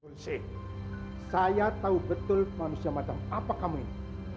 saya tahu betul manusia macam apa kamu ini